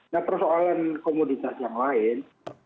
nah persoalan komoditas yang lain